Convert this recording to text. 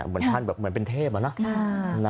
เหมือนท่านเหมือนเป็นเทพเหรอนะ